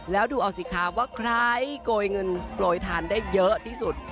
แล้วดูเอาสิคะว่าใครโกยเงินโปรยทานได้เยอะที่สุด